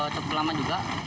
cukup lama juga